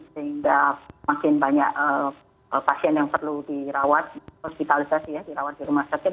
sehingga makin banyak pasien yang perlu dirawat hospitalisasi ya dirawat di rumah sakit